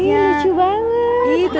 iyyy lucu banget